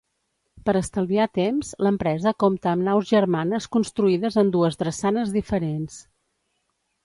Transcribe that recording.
Per estalviar temps, l'empresa compta amb naus germanes construïdes en dues drassanes diferents.